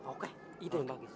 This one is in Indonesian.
oke itu yang bagus